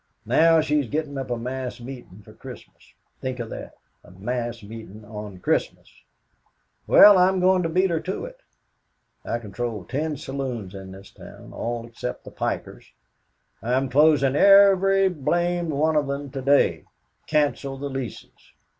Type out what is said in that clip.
Now, she's gettin' up a mass meetin' for Christmas think of that, a mass meetin' on Christmas. Well, I'm goin' to beat her to it. "I control ten saloons in this town all except the pikers I'm closing every blamed one of them to day canceled the leases.